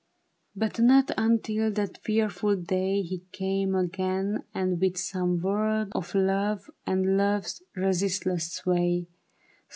But not until that fearful day He came again and with some word Of love and love's resistless sway.